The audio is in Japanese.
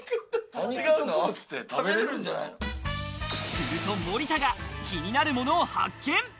すると、森田が気になるものを発見。